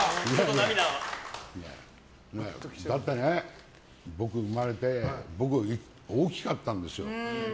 だってね、僕、生まれて僕、大きかったんですよ。